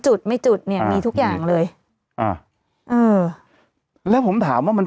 จุดไม่จุดเนี้ยมีทุกอย่างเลยอ่าเออแล้วผมถามว่ามัน